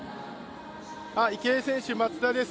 池江選手、松田です。